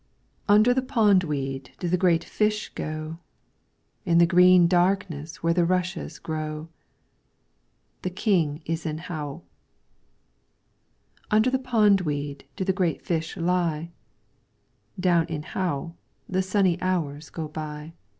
Under the pondweed do the great fish go, In the green darkness where the rushes grow. The King is in Hao. Under the pondweed do the great fish lie ; Down in Hao the sunny hours go by.